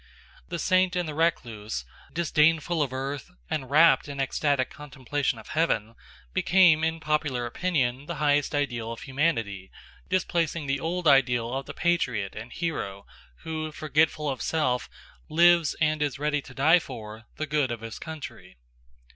The saint and the recluse, disdainful of earth and rapt in ecstatic contemplation of heaven, became in popular opinion the highest ideal of humanity, displacing the old ideal of the patriot and hero who, forgetful of self, lives and is ready to die for the good of his country.